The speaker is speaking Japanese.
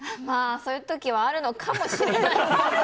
そういう時はあるのかもしれない。